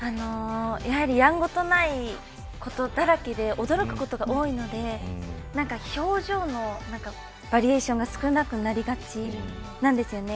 やはり、やんごとないことだらけで驚くことが多いので表情のバリエーションが少なくなりがちなんですよね。